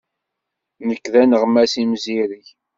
Nekk d aneɣmas imzireg.